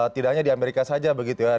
tidak hanya di amerika saja begitu ya